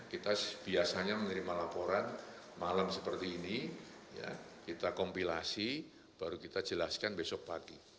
kita biasanya menerima laporan malam seperti ini kita kompilasi baru kita jelaskan besok pagi